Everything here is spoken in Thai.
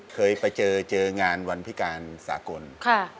เคยไปเจองานวันพิการสาหกรณ์ค่ะ